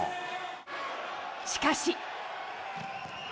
しかし。